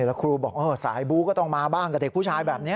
แล้วครูบอกสายบู๊ก็ต้องมาบ้างกับเด็กผู้ชายแบบนี้